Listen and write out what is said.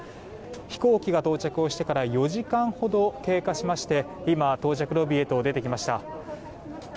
飛行機が到着してから４時間ほど経過しまして今、到着ロビーへと出てきました。